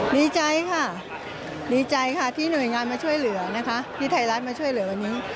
ดีใจค่ะดีใจค่ะที่หน่วยงานมาช่วยเหลือนะคะที่ไทยรัฐมาช่วยเหลือวันนี้